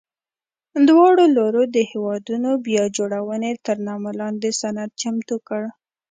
دواړو لورو د هېواد بیا جوړونې تر نامه لاندې سند چمتو کړ.